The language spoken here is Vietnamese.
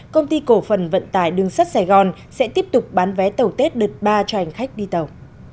công ty cổ phần vận tải đường sắt sài gòn sẽ tiếp tục bán vé tàu tết đợt ba cho hành khách đi tàu